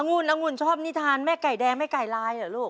ุ่นอังุ่นชอบนิทานแม่ไก่แดงแม่ไก่ลายเหรอลูก